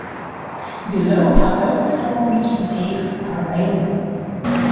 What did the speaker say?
Below are those for which details are available.